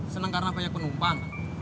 seneng karena banyak penumpang